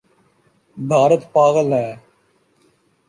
بھارت پاگل ہے؟